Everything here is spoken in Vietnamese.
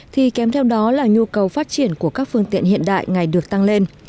thì kèm theo đó là nhu cầu phát triển của các phương tiện hiện đại ngày được tăng lên